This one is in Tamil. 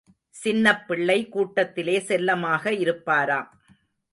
சின்னப்பிள்ளை கூட்டத்திலே செல்லமாக இருப்பாராம்.